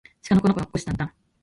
しかのこのこのここしたんたん